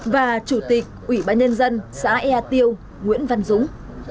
và chủ tịch ủy ban nhân dân xã ea tiêu nguyễn văn dũng